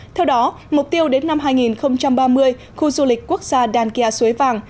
theo đó mục tiêu đến năm hai nghìn ba mươi khu du lịch quốc gia dankia suối vàng